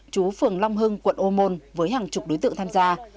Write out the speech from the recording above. chú phường long hưng quận ô môn với hàng chục đối tượng tham gia